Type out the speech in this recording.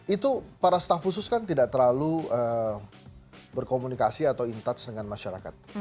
itu para staf khusus kan tidak terlalu berkomunikasi atau in touch dengan masyarakat